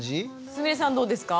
すみれさんどうですか？